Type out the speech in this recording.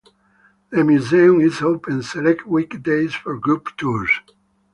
The museum is open select weekdays for group tours.